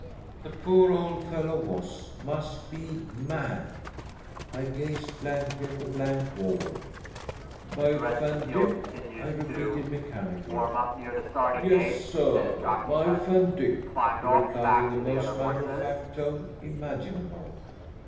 The poor old fellow was must be mad. I gazed blankly at the blank wall. "By Van Dyck?" I repeated mechanically. "Yes, sir, by Van Dyck?" he replied, in the most matter of fact tone imaginable.